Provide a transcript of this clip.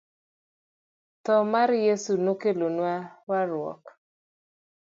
Tho mar Yeso no kelo warruok